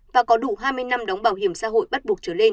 và có đủ hai mươi năm đóng bảo hiểm xã hội bắt buộc trở lên